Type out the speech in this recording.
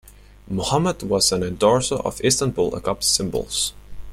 Muhammad was an endorser of Istanbul Agop Cymbals.